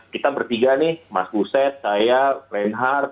kita bertiga nih mas buset saya reinhardt